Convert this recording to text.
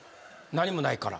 何もないから。